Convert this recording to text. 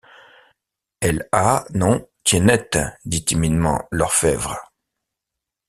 Elle ha nom Tiennette, dit timidement l’orphebvre.